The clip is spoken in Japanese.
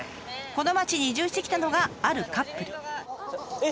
この町に移住してきたのがあるカップル。